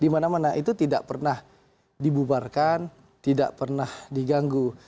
di mana mana itu tidak pernah dibubarkan tidak pernah diganggu